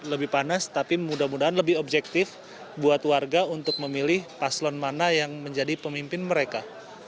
lebih panas tapi mudah mudahan lebih objektif buat warga untuk memilih paslon mana yang menjadi pemimpin mereka